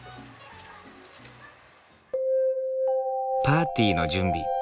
パーティーの準備。